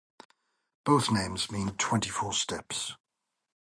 Both names mean Twenty-Four Steps.